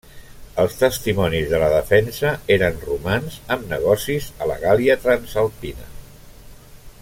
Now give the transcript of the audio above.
Els testimonis de la defensa eren romans amb negocis a la Gàl·lia Transalpina.